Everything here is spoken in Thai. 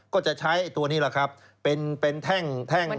ก็จะใช้ตัวนี้ให้แท่ง